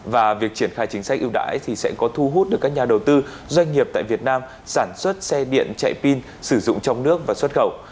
và việc triển khai chính sách ưu đãi thì sẽ có thu hút được các nhà đầu tư doanh nghiệp tại việt nam sản xuất xe điện chạy pin sử dụng trong nước và xuất khẩu